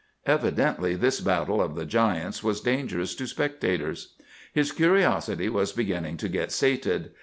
Evidently this battle of the giants was dangerous to spectators. His curiosity was beginning to get sated.